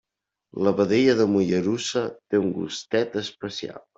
La vedella de Mollerussa té un gustet especial.